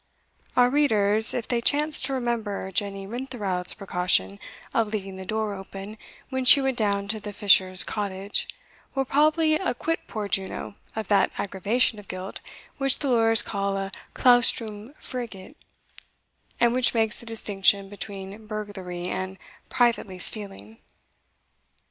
" (Our readers, if they chance to remember Jenny Rintherout's precaution of leaving the door open when she went down to the fisher's cottage, will probably acquit poor Juno of that aggravation of guilt which the lawyers call a claustrum fregit, and which makes the distinction between burglary and privately stealing.